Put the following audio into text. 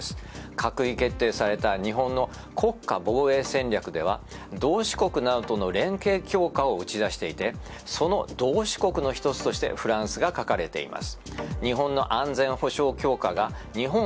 閣議決定された日本の国家防衛戦略では同志国などとの連携強化を打ち出していてその同志国の一つとしてフランスが書かれています。